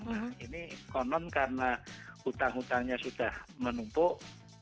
nah ini konon karena hutang hutangnya sudah menumpuk